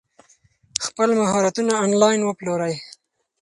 خپل مهارتونه انلاین وپلورئ.